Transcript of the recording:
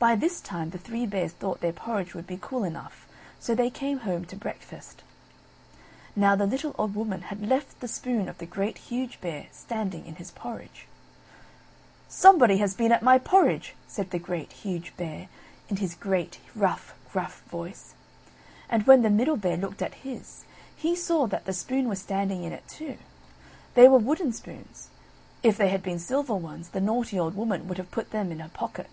By this time the Three Bears thought their porridge would be cool enough; so they came home to breakfast. Now the little old Woman had left the spoon of the Great, Huge Bear, standing in his porridge. "Somebody has been at my porridge!" said the Great, Huge Bear, in his great, rough, gruff voice. And when the Middle Bear looked at his, he saw that the spoon was standing in it too. They were wooden spoons; if they had been silver ones, the naughty old Woman would have put them in her pocket.